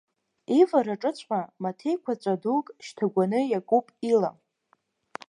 Ивараҿыҵәҟьа маҭеиқәаҵәа дук шьҭагәаны иакуп ила.